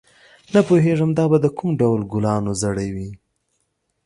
نه پوهېږم دا به د کوم ډول ګلانو زړي وي.